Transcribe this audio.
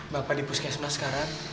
bapak di puskesmas sekarang